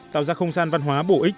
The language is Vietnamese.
tạo ra không gian văn hóa bổ ích